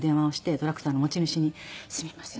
トラクターの持ち主に「すみません。